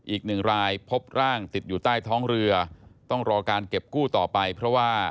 อีกหนึ่งรายพบร่างติดอยู่ใต้ท้องเรือต้องรอการเก็บกู้ต่อไปเพราะว่า